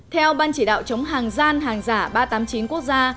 theo ban chỉ đạo chống hàng gian hàng giả ba trăm tám mươi chín quốc gia